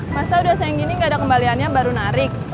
masa udah sayang gini gak ada kembaliannya baru narik